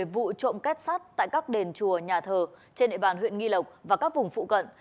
một mươi vụ trộm két sắt tại các đền chùa nhà thờ trên địa bàn huyện nghi lộc và các vùng phụ cận